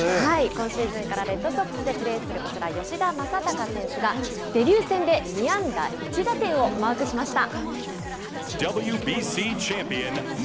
今シーズンからレッドソックスでプレーする、こちら、吉田正尚選手が、デビュー戦で２安打１打点をマークしました。